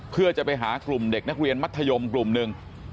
เพื่อจะไปหากลุ่มเด็กนักเรียนมัธยมกลุ่มหนึ่ง